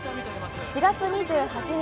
４月２８日